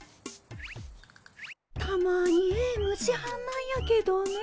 たまにええ虫はんなんやけどね。